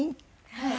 はい。